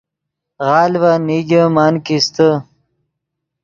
غلڤن نیگے من کیستے